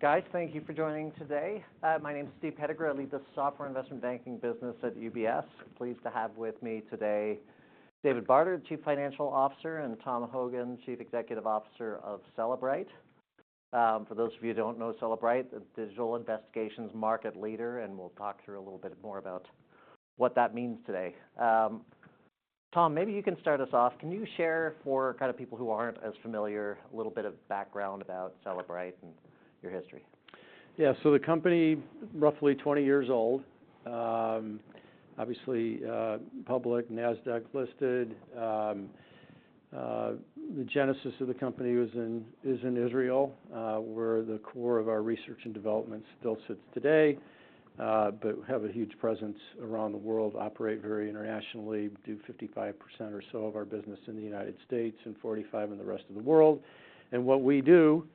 Guys, thank you for joining today. My name's Steve Pettigrew. I lead the software investment banking business at UBS. Pleased to have with me today David Barter, Chief Financial Officer, and Tom Hogan, Chief Executive Officer of Cellebrite. For those of you who don't know Cellebrite, the digital investigations market leader, and we'll talk through a little bit more about what that means today. Tom, maybe you can start us off. Can you share for kind of people who aren't as familiar a little bit of background about Cellebrite and your history? Yeah, so the company, roughly 20 years old, obviously, public, Nasdaq-listed. The genesis of the company was in, is in Israel, where the core of our research and development still sits today, but have a huge presence around the world, operate very internationally, do 55% or so of our business in the United States and 45% in the rest of the world, and what we do,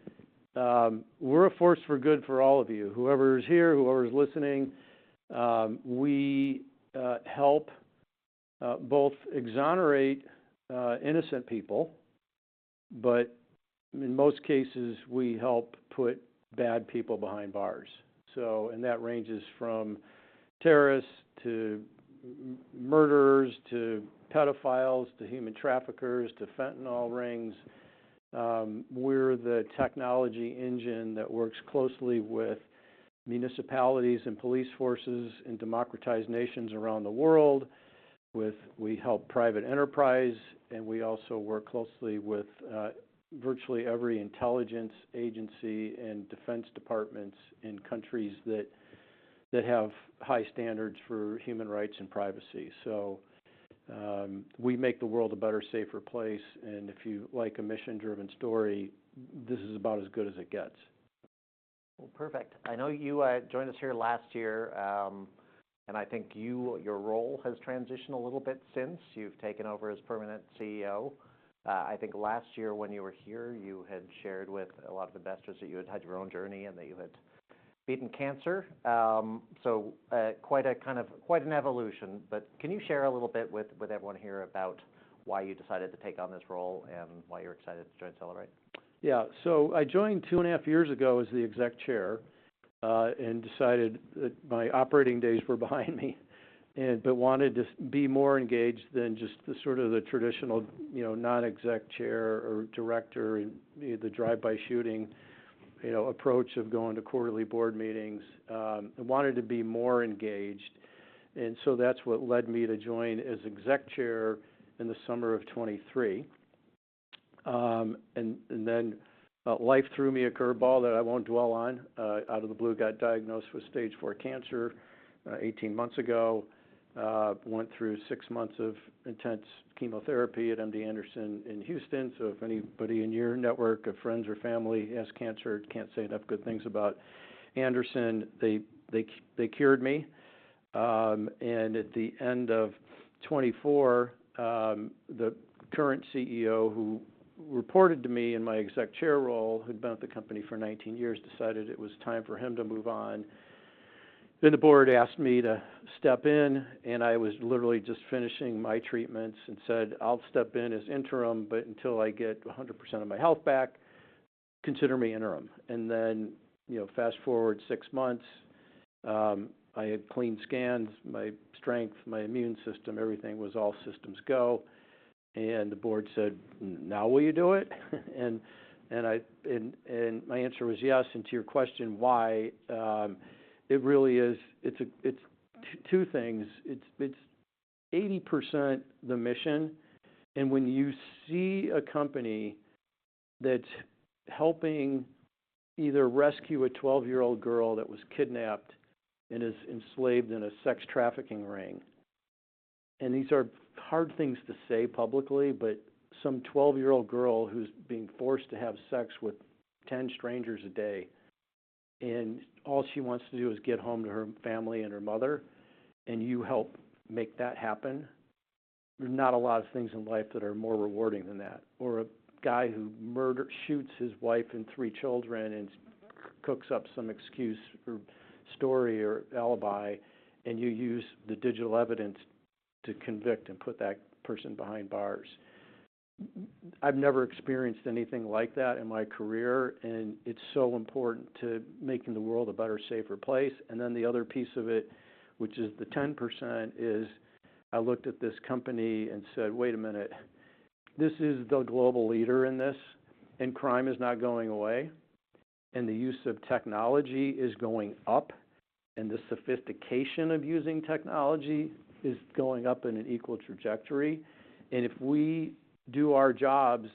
we're a force for good for all of you. Whoever's here, whoever's listening, we help both exonerate innocent people, but in most cases, we help put bad people behind bars, so and that ranges from terrorists to murders to pedophiles to human traffickers to Fentanyl rings. We're the technology engine that works closely with municipalities and police forces in democratized nations around the world. We help private enterprise, and we also work closely with virtually every intelligence agency and defense department in countries that have high standards for human rights and privacy, so we make the world a better, safer place, and if you like a mission-driven story, this is about as good as it gets. Well, perfect. I know you joined us here last year, and I think your role has transitioned a little bit since. You've taken over as permanent CEO. I think last year when you were here, you had shared with a lot of investors that you had had your own journey and that you had beaten cancer. So, quite a kind of an evolution. But can you share a little bit with everyone here about why you decided to take on this role and why you're excited to join Cellebrite? Yeah, so I joined two and a half years ago as the Executive Chair, and decided that my operating days were behind me but wanted to be more engaged than just the sort of the traditional, you know, Non-Executive Chair or Director and, you know, the drive-by shooting, you know, approach of going to quarterly board meetings. I wanted to be more engaged, and so that's what led me to join as exec chair in the summer of 2023. And then, life threw me a curveball that I won't dwell on. Out of the blue, got diagnosed with stage four cancer, 18 months ago. Went through six months of intense chemotherapy at MD Anderson in Houston. So if anybody in your network of friends or family has cancer, can't say enough good things about Anderson, they cured me. And at the end of 2024, the current CEO who reported to me in my Executive Chair role, who'd been at the company for 19 years, decided it was time for him to move on. Then the board asked me to step in, and I was literally just finishing my treatments and said, "I'll step in as interim, but until I get 100% of my health back, consider me interim." And then, you know, fast forward six months, I had clean scans, my strength, my immune system, everything was all systems go. And the board said, "Now will you do it?" And my answer was yes. And to your question, why, it really is it's two things. It's 80% the mission, and when you see a company that's helping either rescue a 12-year-old girl that was kidnapped and is enslaved in a sex trafficking ring, and these are hard things to say publicly, but some 12-year-old girl who's being forced to have sex with 10 strangers a day, and all she wants to do is get home to her family and her mother, and you help make that happen, there's not a lot of things in life that are more rewarding than that. Or a guy who murders his wife and three children and cooks up some excuse or story or alibi, and you use the digital evidence to convict and put that person behind bars. I've never experienced anything like that in my career, and it's so important to making the world a better, safer place. Then the other piece of it, which is the 10%, is I looked at this company and said, "Wait a minute, this is the global leader in this, and crime is not going away, and the use of technology is going up, and the sophistication of using technology is going up in an equal trajectory. And if we do our jobs,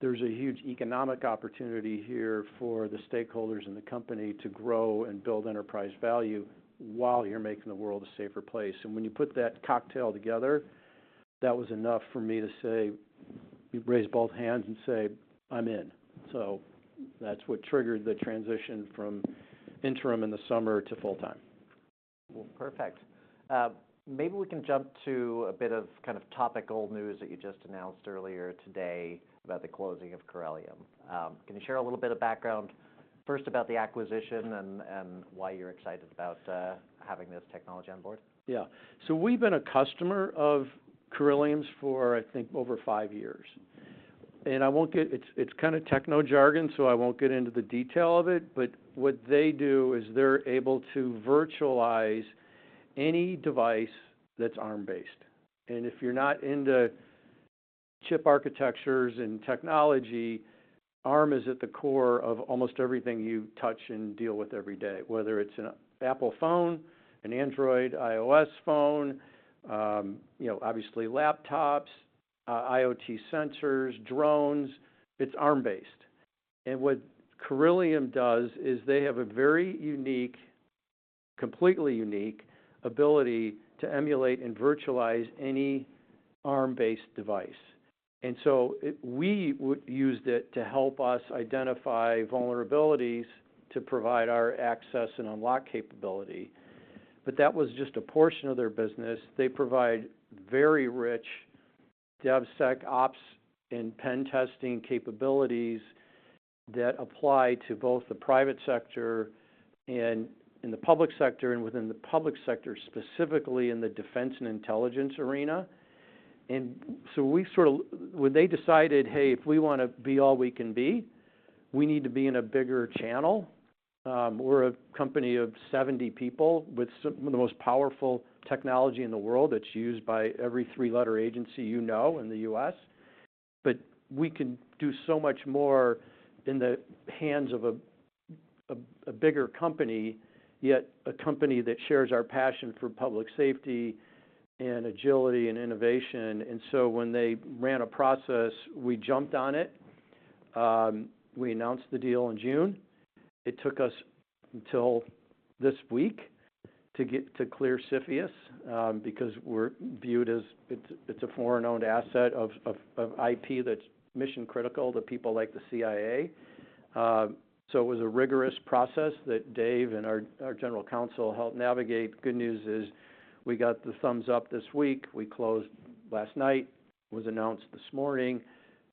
there's a huge economic opportunity here for the stakeholders in the company to grow and build enterprise value while you're making the world a safer place." And when you put that cocktail together, that was enough for me to say, you raise both hands and say, "I'm in." So that's what triggered the transition from interim in the summer to full-time. Perfect. Maybe we can jump to a bit of kind of topical news that you just announced earlier today about the closing of Corellium. Can you share a little bit of background first about the acquisition and why you're excited about having this technology on board? Yeah, so we've been a customer of Corellium's for, I think, over five years. And I won't get into it, it's kind of techno jargon, so I won't get into the detail of it, but what they do is they're able to virtualize any device that's Arm-based. And if you're not into chip architectures and technology, Arm is at the core of almost everything you touch and deal with every day, whether it's an Apple phone, an Android iOS phone, you know, obviously laptops, IoT sensors, drones, it's Arm-based. And what Corellium does is they have a very unique, completely unique ability to emulate and virtualize any Arm-based device. And so we would use it to help us identify vulnerabilities to provide our access and unlock capability. But that was just a portion of their business. They provide very rich DevSecOps and pen testing capabilities that apply to both the private sector and in the public sector, and within the public sector specifically in the defense and intelligence arena. And so we sort of when they decided, "Hey, if we wanna be all we can be, we need to be in a bigger channel." We're a company of 70 people with some of the most powerful technology in the world that's used by every three-letter agency you know in the U.S. But we can do so much more in the hands of a, a, a bigger company, yet a company that shares our passion for public safety and agility and innovation. And so when they ran a process, we jumped on it. We announced the deal in June. It took us until this week to get to clear CFIUS, because we're viewed as it's a foreign-owned asset of IP that's mission-critical to people like the CIA, so it was a rigorous process that Dave and our general counsel helped navigate. Good news is we got the thumbs up this week. We closed last night, it was announced this morning,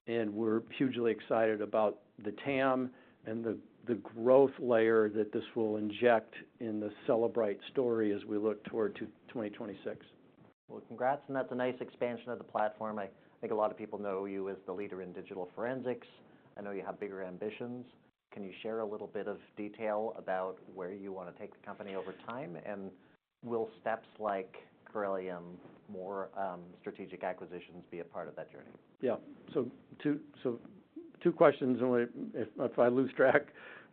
and we're hugely excited about the TAM and the growth layer that this will inject in the Cellebrite story as we look toward to 2026. Congrats. That's a nice expansion of the platform. I think a lot of people know you as the leader in digital forensics. I know you have bigger ambitions. Can you share a little bit of detail about where you wanna take the company over time and will steps like Corellium, more strategic acquisitions be a part of that journey? Yeah, so two questions. And if I lose track,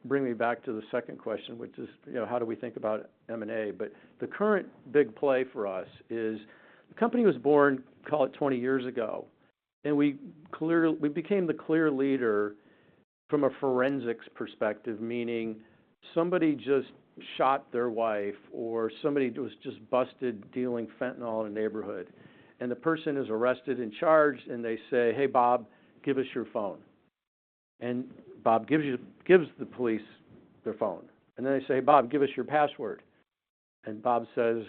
bring me back to the second question, which is, you know, how do we think about M&A? But the current big play for us is the company was born, call it 20 years ago, and we clearly became the clear leader from a forensics perspective, meaning somebody just shot their wife or somebody was just busted dealing Fentanyl in a neighborhood, and the person is arrested and charged, and they say, "Hey, Bob, give us your phone." And Bob gives the police their phone. And then they say, "Hey, Bob, give us your password." And Bob says,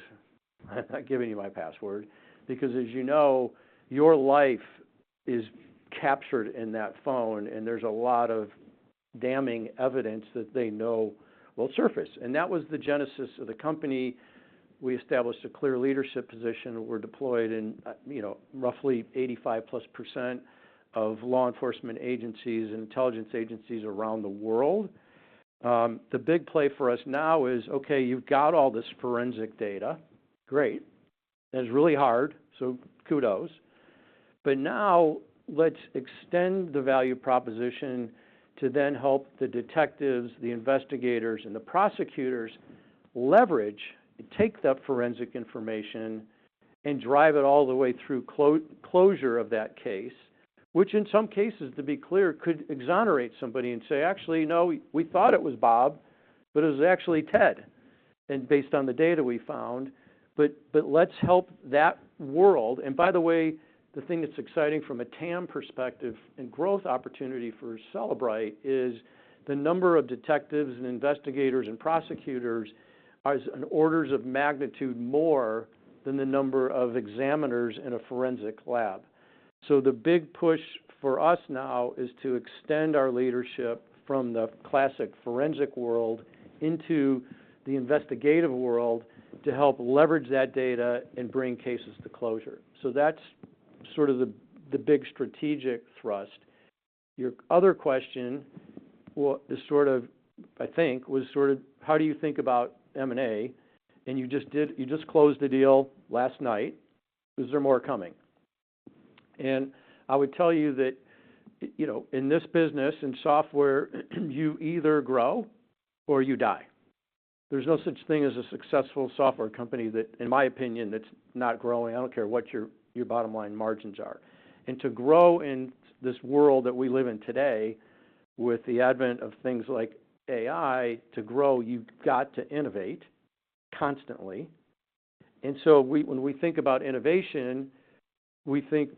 "I'm not giving you my password because, as you know, your life is captured in that phone, and there's a lot of damning evidence that they know will surface." And that was the genesis of the company. We established a clear leadership position. We're deployed in, you know, roughly 85+% of law enforcement agencies and intelligence agencies around the world. The big play for us now is, "Okay, you've got all this forensic data. Great. That's really hard. So kudos. But now let's extend the value proposition to then help the detectives, the investigators, and the prosecutors leverage, take that forensic information, and drive it all the way through closure of that case," which in some cases, to be clear, could exonerate somebody and say, "Actually, no, we thought it was Bob, but it was actually Ted based on the data we found." But let's help that world. By the way, the thing that's exciting from a TAM perspective and growth opportunity for Cellebrite is the number of detectives and investigators and prosecutors is orders of magnitude more than the number of examiners in a forensic lab. So the big push for us now is to extend our leadership from the classic forensic world into the investigative world to help leverage that data and bring cases to closure. So that's the big strategic thrust. Your other question, with the sort of, I think, was sort of, "How do you think about M&A?" And you just closed the deal last night. Is there more coming? And I would tell you that, you know, in this business, in software, you either grow or you die. There's no such thing as a successful software company that, in my opinion, that's not growing. I don't care what your bottom line margins are. And to grow in this world that we live in today with the advent of things like AI, to grow, you've got to innovate constantly. And so when we think about innovation, we think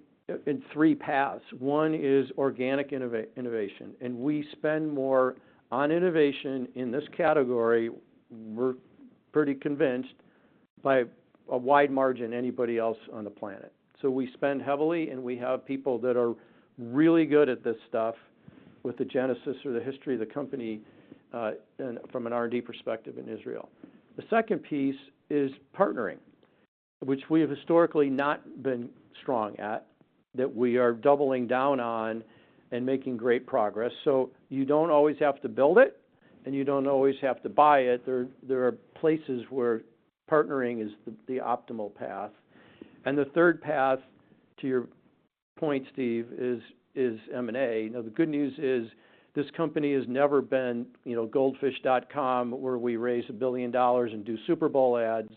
in three paths. One is organic innovation. And we spend more on innovation in this category. We're pretty convinced by a wide margin anybody else on the planet. So we spend heavily, and we have people that are really good at this stuff with the genesis or the history of the company, and from an R&D perspective in Israel. The second piece is partnering, which we have historically not been strong at, that we are doubling down on and making great progress. So you don't always have to build it, and you don't always have to buy it. There are places where partnering is the optimal path. And the third path, to your point, Steve, is M&A. Now, the good news is this company has never been, you know, goldfish.com, where we raise $1 billion and do Super Bowl ads.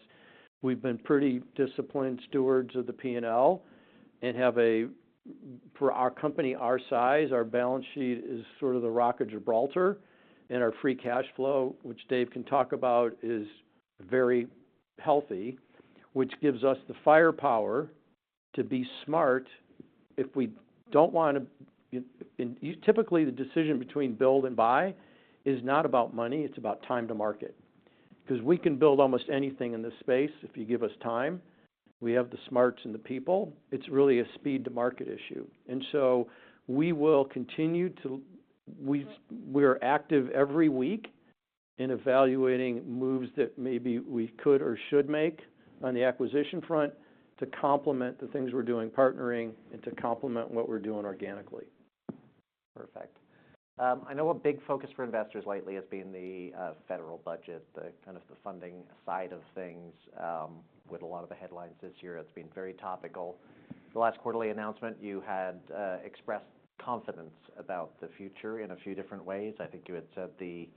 We've been pretty disciplined stewards of the P&L and have, for our company our size, our balance sheet is sort of the Rock of Gibraltar. And our free cash flow, which Dave can talk about, is very healthy, which gives us the firepower to be smart if we don't wanna you know, and you typically, the decision between build and buy is not about money. It's about time to market. 'Cause we can build almost anything in this space if you give us time. We have the smarts and the people. It's really a speed-to-market issue. We will continue to be active every week in evaluating moves that maybe we could or should make on the acquisition front to complement the things we're doing in partnering and to complement what we're doing organically. Perfect. I know a big focus for investors lately has been the federal budget, the kind of the funding side of things, with a lot of the headlines this year. It's been very topical. The last quarterly announcement, you had expressed confidence about the future in a few different ways. I think you had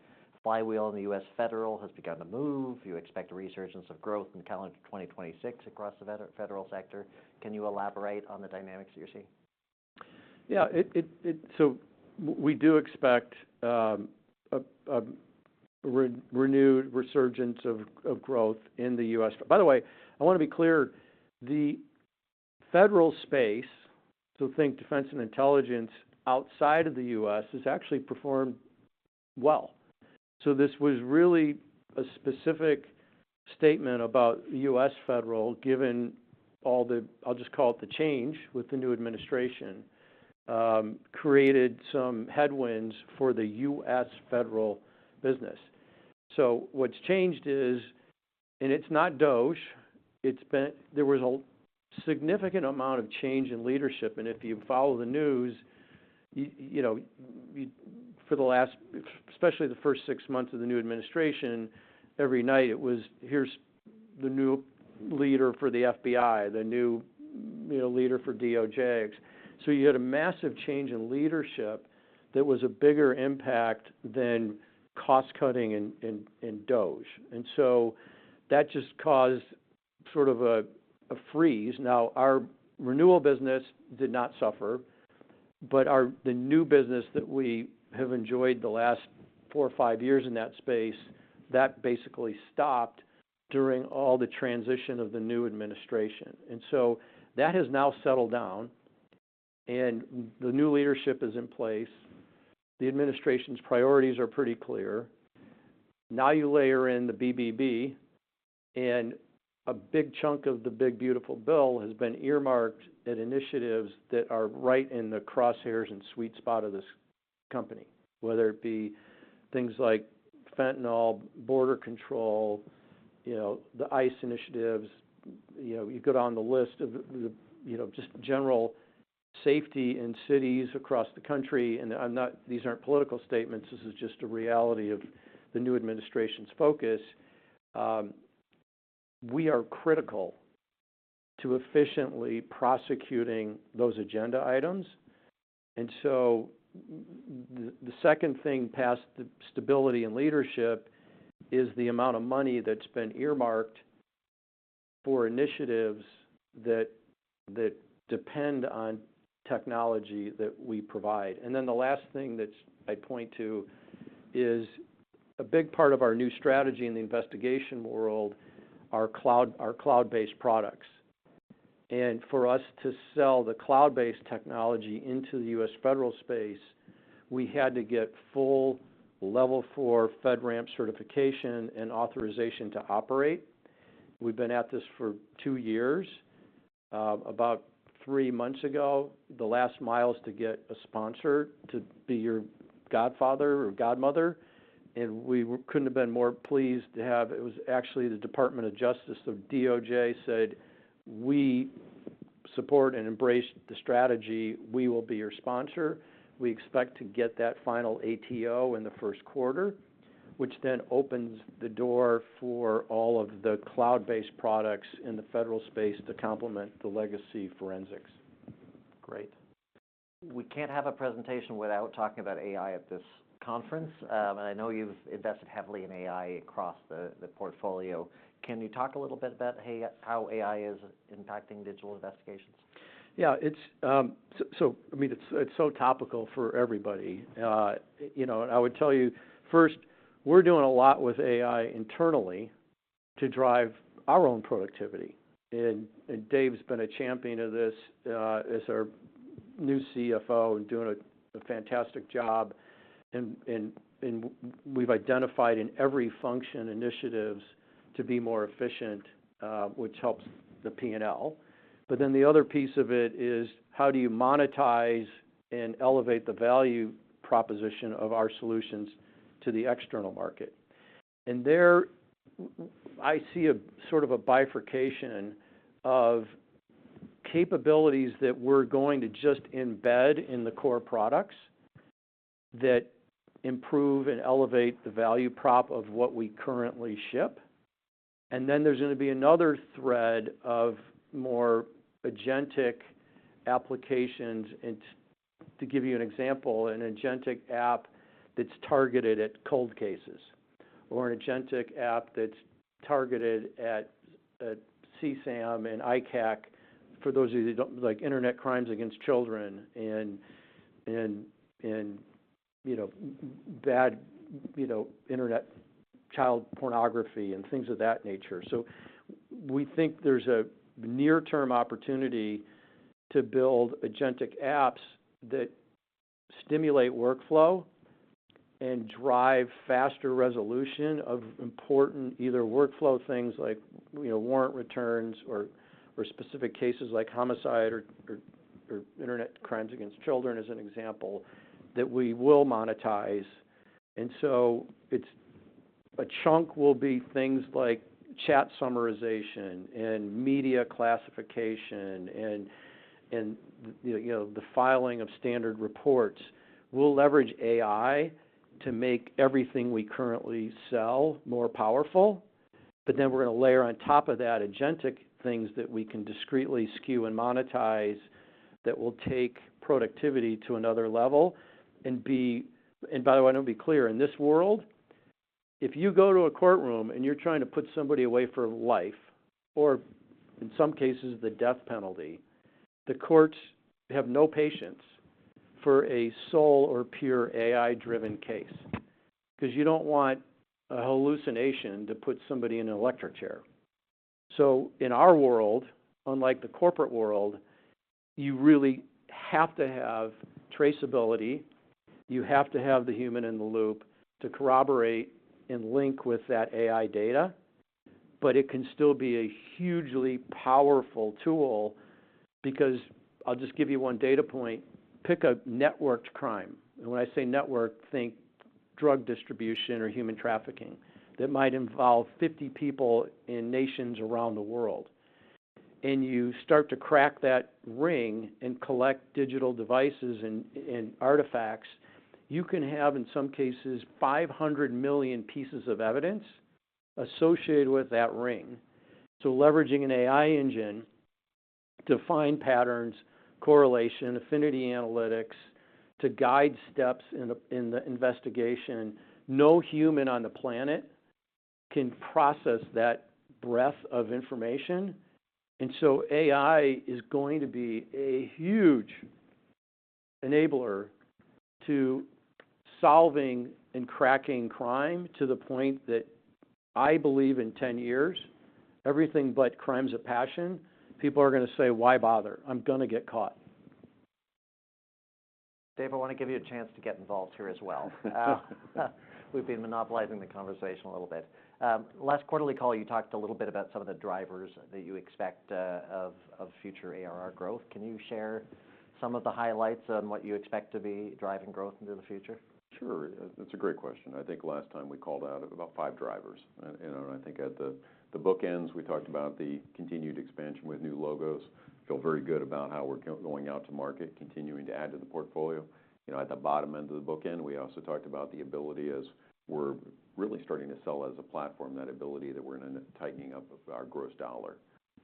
said the flywheel in the U.S. Federal has begun to move. You expect resurgence of growth in calendar 2026 across the federal sector. Can you elaborate on the dynamics that you're seeing? Yeah, so we do expect a renewed resurgence of growth in the U.S. By the way, I wanna be clear, the federal space, you think defense and intelligence outside of the U.S., has actually performed well. So this was really a specific statement about the U.S. Federal, given all the, I'll just call it the change with the new administration, created some headwinds for the U.S. Federal business. So what's changed is, and it's not DOGE, it's that there was a significant amount of change in leadership. If you follow the news, you know, for the last, especially the first six months of the new administration, every night it was, "Here's the new leader for the FBI, the new, you know, leader for DOJ." So you had a massive change in leadership that was a bigger impact than cost-cutting in DOGE. And so that just caused sort of a freeze. Now, our renewal business did not suffer, but our new business that we have enjoyed the last four or five years in that space, that basically stopped during all the transition of the new administration. And so that has now settled down, and the new leadership is in place. The administration's priorities are pretty clear. Now you layer in the BBB, and a big chunk of the Big Beautiful Bill has been earmarked at initiatives that are right in the crosshairs and sweet spot of this company, whether it be things like Fentanyl, border control, you know, the ICE initiatives. You know, you go down the list of the, you know, just general safety in cities across the country. And I'm not. These aren't political statements. This is just a reality of the new administration's focus. We are critical to efficiently prosecuting those agenda items. And so the second thing past the stability in leadership is the amount of money that's been eArmarked for initiatives that depend on technology that we provide. And then the last thing that I point to is a big part of our new strategy in the investigation world are our cloud-based products. And for us to sell the cloud-based technology into the U.S. Federal space, we had to get full Level 4 FedRAMP certification and authorization to operate. We've been at this for two years. About three months ago, the last miles to get a sponsor to be your godfather or godmother. And we couldn't have been more pleased. It was actually the Department of Justice, the DOJ, said, "We support and embrace the strategy. We will be your sponsor. We expect to get that final ATO in the first quarter, which then opens the door for all of the cloud-based products in the federal space to complement the legacy forensics. Great. We can't have a presentation without talking about AI at this conference, and I know you've invested heavily in AI across the portfolio. Can you talk a little bit about, hey, how AI is impacting digital investigations? Yeah, it's so topical for everybody, you know, and I would tell you, first, we're doing a lot with AI internally to drive our own productivity. And Dave's been a champion of this, as our new CFO and doing a fantastic job. And we've identified in every function initiatives to be more efficient, which helps the P&L. But then the other piece of it is, how do you monetize and elevate the value proposition of our solutions to the external market? And there I see a sort of a bifurcation of capabilities that we're going to just embed in the core products that improve and elevate the value prop of what we currently ship. And then there's gonna be another thread of more agentic applications. And to give you an example, an agentic app that's targeted at cold cases or an agentic app that's targeted at CSAM and ICAC, for those of you that don't know internet crimes against children and you know, bad, you know, internet child pornography and things of that nature. So we think there's a near-term opportunity to build agentic apps that stimulate workflow and drive faster resolution of important either workflow things like, you know, warrant returns or specific cases like homicide or internet crimes against children as an example that we will monetize. And so it's a chunk will be things like chat summarization and media classification and the, you know, the filing of standard reports. We'll leverage AI to make everything we currently sell more powerful. But then we're gonna layer on top of that agentic things that we can discreetly use and monetize that will take productivity to another level and, by the way, I wanna be clear. In this world, if you go to a courtroom and you're trying to put somebody away for life or, in some cases, the death penalty, the courts have no patience for a solely or pure AI-driven case 'cause you don't want a hallucination to put somebody in an electric chair. So in our world, unlike the corporate world, you really have to have traceability. You have to have the human in the loop to corroborate and link with that AI data. But it can still be a hugely powerful tool because I'll just give you one data point: pick a networked crime, and when I say network, think drug distribution or human trafficking. That might involve 50 people in nations around the world. And you start to crack that ring and collect digital devices and artifacts, you can have, in some cases, 500 million pieces of evidence associated with that ring. So leveraging an AI engine to find patterns, correlation, affinity analytics to guide steps in the investigation, no human on the planet can process that breadth of information. And so AI is going to be a huge enabler to solving and cracking crime to the point that I believe in 10 years, everything but crimes of passion, people are gonna say, "Why bother? I'm gonna get caught. Dave, I wanna give you a chance to get involved here as well. We've been monopolizing the conversation a little bit. Last quarterly call, you talked a little bit about some of the drivers that you expect of future ARR growth. Can you share some of the highlights on what you expect to be driving growth into the future? Sure. That's a great question. I think last time we called out about five drivers. And, you know, I think at the bookends, we talked about the continued expansion with new logos. Feel very good about how we're going out to market, continuing to add to the portfolio. You know, at the bottom end of the bookend, we also talked about the ability as we're really starting to sell as a platform, that ability that we're gonna tightening up our gross dollar.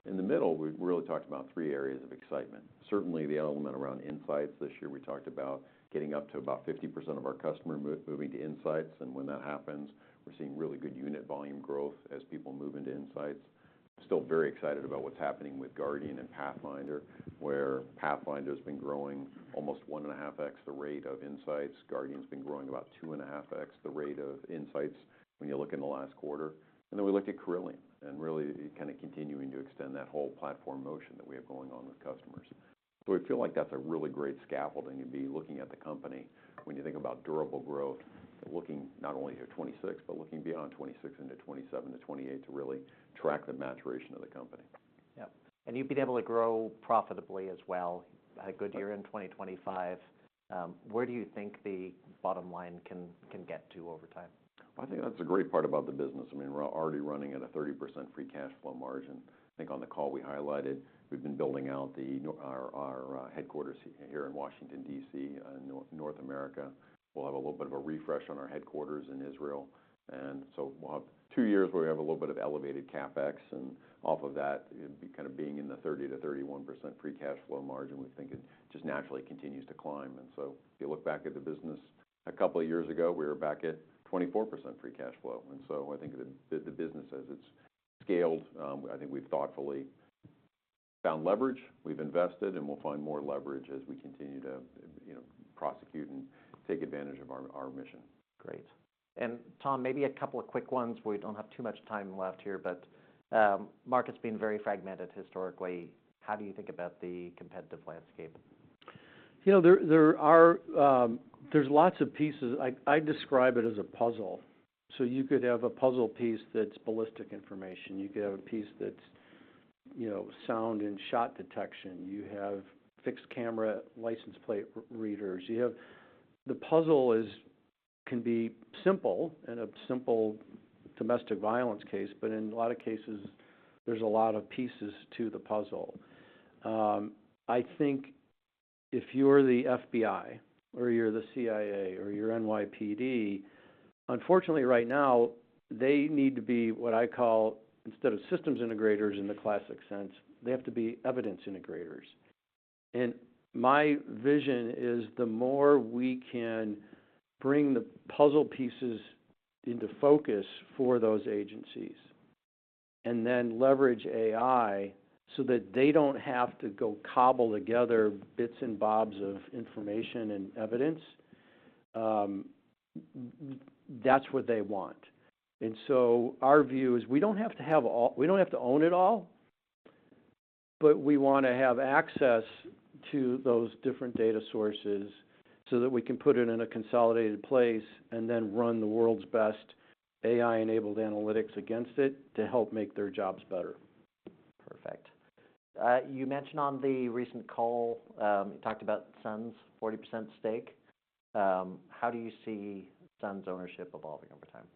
In the middle, we really talked about three areas of excitement. Certainly, the element around Inseyets this year, we talked about getting up to about 50% of our customer moving to Inseyets. And when that happens, we're seeing really good unit volume growth as people move into Inseyets. Still very excited about what's happening with Guardian and Pathfinder, where Pathfinder's been growing almost one and a half X the rate of Inseyets. Guardian's been growing about two and a half X the rate of Inseyets when you look in the last quarter. And then we looked at Corellium and really kinda continuing to extend that whole platform motion that we have going on with customers. We feel like that's a really great scaffolding to be looking at the company when you think about durable growth, looking not only to 2026 but looking beyond 2026 into 2027 to 2028 to really track the maturation of the company. Yep, and you've been able to grow profitably as well. Had a good year in 2025. Where do you think the bottom line can get to over time? Well, I think that's a great part about the business. I mean, we're already running at a 30% free cash flow margin. I think on the call we highlighted, we've been building out our headquarters here in Washington, D.C., North America. We'll have a little bit of a refresh on our headquarters in Israel. And so we'll have two years where we have a little bit of elevated CapEx. And off of that, it'd be kind of being in the 30%-31% free cash flow margin, we think it just naturally continues to climb. And so if you look back at the business a couple of years ago, we were back at 24% free cash flow. And so I think the business as it's scaled, I think we've thoughtfully found leverage. We've invested, and we'll find more leverage as we continue to, you know, prosecute and take advantage of our mission. Great. And Tom, maybe a couple of quick ones where we don't have too much time left here, but market's been very fragmented historically. How do you think about the competitive landscape? You know, there are lots of pieces. I describe it as a puzzle. So you could have a puzzle piece that's ballistic information. You could have a piece that's, you know, sound and shot detection. You have fixed camera license plate readers. The puzzle can be simple in a simple domestic violence case, but in a lot of cases, there's a lot of pieces to the puzzle. I think if you're the FBI or you're the CIA or you're NYPD, unfortunately, right now, they need to be what I call, instead of systems integrators in the classic sense, they have to be evidence integrators. And my vision is the more we can bring the puzzle pieces into focus for those agencies and then leverage AI so that they don't have to go cobble together bits and bobs of information and evidence, that's what they want. And so our view is we don't have to own it all, but we wanna have access to those different data sources so that we can put it in a consolidated place and then run the world's best AI-enabled analytics against it to help make their jobs better. Perfect. You mentioned on the recent call, you talked about Sun's 40% stake. How do you see Sun's ownership evolving over time?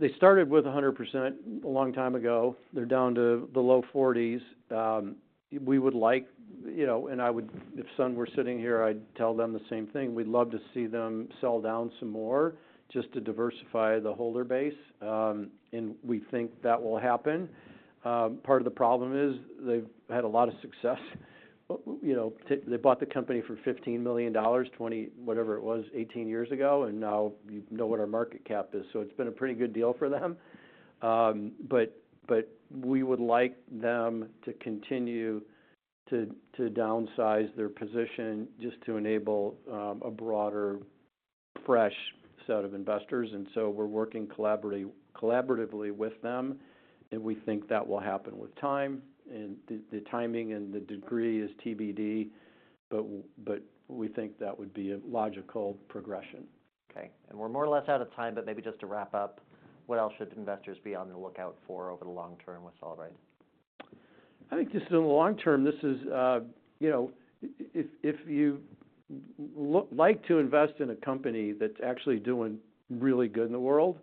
They started with 100% a long time ago. They're down to the low 40s. We would like, you know, and I would, if Sun were sitting here, I'd tell them the same thing. We'd love to see them sell down some more just to diversify the holder base. We think that will happen. Part of the problem is they've had a lot of success. You know, they bought the company for $15 million-$20 million, whatever it was, 18 years ago. Now you know what our market cap is. So it's been a pretty good deal for them. But we would like them to continue to downsize their position just to enable a broader, fresh set of investors. So we're working collaboratively with them. We think that will happen with time. And the timing and the degree is TBD, but we think that would be a logical progression. Okay, and we're more or less out of time, but maybe just to wrap up, what else should investors be on the lookout for over the long term with Cellebrite? I think just in the long term, this is, you know, if you look like to invest in a company that's actually doing really good in the world,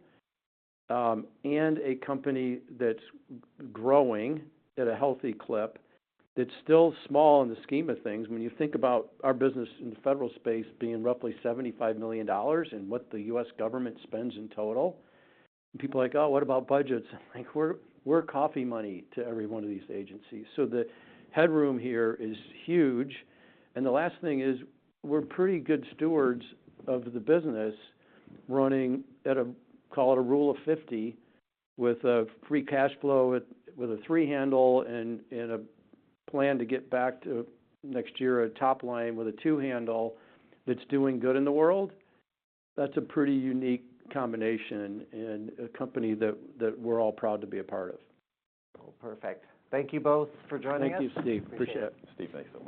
and a company that's growing at a healthy clip that's still small in the scheme of things, when you think about our business in the federal space being roughly $75 million and what the U.S. government spends in total, people are like, "Oh, what about budgets?" I'm like, "We're coffee money to every one of these agencies." So the headroom here is huge. And the last thing is we're pretty good stewards of the business running at a, call it a rule of 50 with a free cash flow with a three handle and a plan to get back to next year a top line with a two handle that's doing good in the world. That's a pretty unique combination and a company that we're all proud to be a part of. Oh, perfect. Thank you both for joining us. Thank you, Steve. Appreciate it. Steve, thank you.